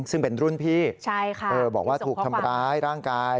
ซึ่งเป็นรุ่นพี่บอกว่าถูกทำร้ายร่างกาย